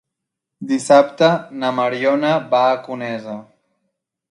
Dissabte na Mariona va a Conesa.